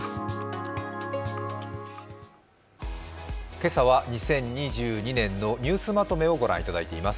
今朝は２０２２年のニュースまとめをご覧いただいています。